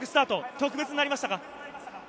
特別になりました。